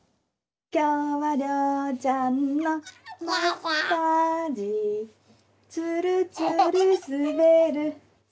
「きょうはりょうちゃんのマッサージ」「つるつるすべる」